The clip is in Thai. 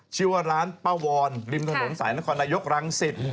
ชื่อว่าร้านป้าวรริมถนนสายนครนายกรังสิต